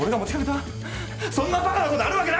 そんなバカなことあるわけないだろ！